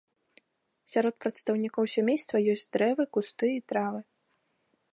Сярод прадстаўнікоў сямейства ёсць дрэвы, кусты і травы.